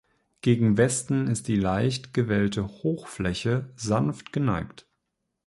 Gegen Westen ist die leicht gewellte Hochfläche sanft geneigt.